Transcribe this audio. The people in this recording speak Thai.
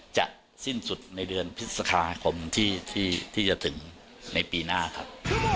จะสิ้นสุดในเดือนพฤษภาคมที่จะถึงในปีหน้าครับ